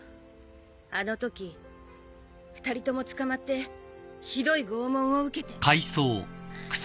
あのとき２人とも捕まってひどい拷問を受けて。